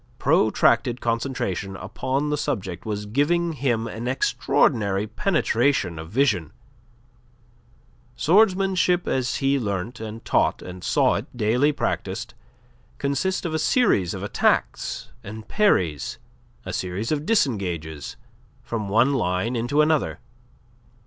Protracted concentration upon the subject was giving him an extraordinary penetration of vision. Swordsmanship as he learnt and taught and saw it daily practised consisted of a series of attacks and parries, a series of disengages from one line into another.